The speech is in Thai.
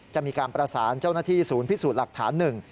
จะมีการประสานเจ้าหน้าที่ศูนย์พิสูจน์หลักฐานหนึ่ง